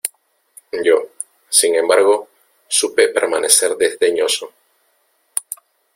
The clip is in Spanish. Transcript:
yo, sin embargo , supe permanecer desdeñoso.